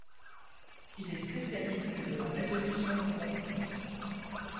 Il est spécialiste de la résolution de conflits.